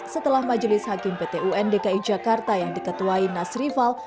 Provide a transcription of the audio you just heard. setelah majelis hakim pt un dki jakarta yang diketuai nas rival